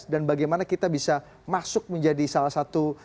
dan bagaimana kita bisa masuk menjadi salah satu